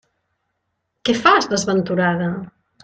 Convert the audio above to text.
Què fas, desventurada?